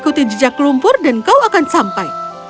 ikuti jejak lumpur dan kau akan sampai